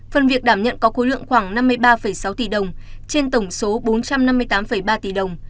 phần việc đảm nhận có khối lượng khoảng năm mươi ba sáu tỷ đồng trên tổng số bốn trăm năm mươi tám ba tỷ đồng